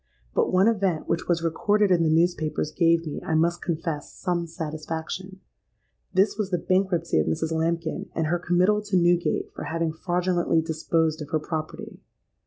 But one event, which was recorded in the newspapers, gave me, I must confess, some satisfaction: this was the bankruptcy of Mrs. Lambkin and her committal to Newgate for having fraudulently disposed of her property.